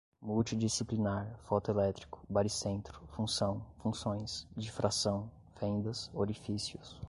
multidisciplinar, fotoelétrico, baricentro, função, funções, difração, fendas, orifícios